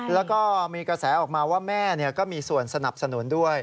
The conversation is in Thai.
แล้วก็มีกระแสออกมาว่าแม่ก็มีส่วนสนับสนุนด้วย